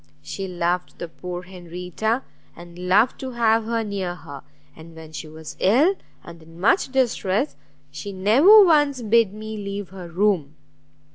She loved the poor Henrietta, and loved to have her near her; and when she was ill, and in much distress, she never once bid me leave her room.